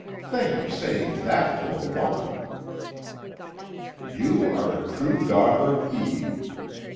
Think of saying that to a woman!" "You are a true daughter of Eve.